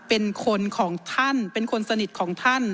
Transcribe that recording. เป็นคนของท่านเป็นคนสนิทของท่าน